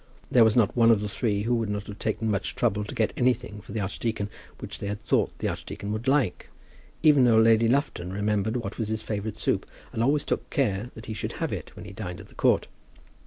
There was not one of the three who would not have taken much trouble to get anything for the archdeacon which they had thought the archdeacon would like. Even old Lady Lufton remembered what was his favourite soup, and always took care that he should have it when he dined at the Court.